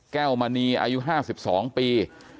แก้วมณีอายุห้าสิบสองปี